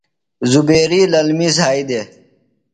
زبیری للمیۡ زھائی دےۡ۔